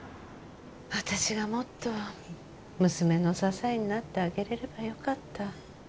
私がもっと娘の支えになってあげれればよかった